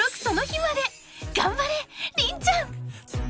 その日まで頑張れ凛ちゃん］